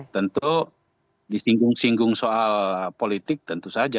tentu disinggung singgung soal politik tentu saja